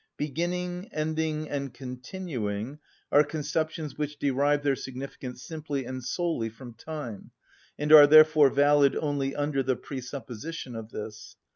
Beginning, ending, and continuing are conceptions which derive their significance simply and solely from time, and are therefore valid only under the presupposition of this.